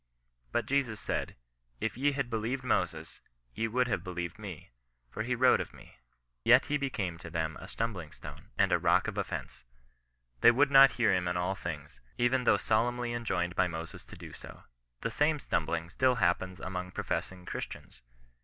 But Jesus said —" if ye had believed Moses, ye would have believed me ; for he wrote of me." Yet he became to them a stumbling stone, and a rock of offence. They would not hear him in all things, even though solemnly en joined by Moses to do so. The same stumbling still xiappens among professing Christians.